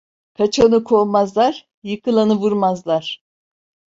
Kaçanı kovmazlar, yıkılanı vurmazlar.